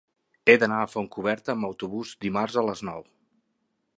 He d'anar a Fontcoberta amb autobús dimarts a les nou.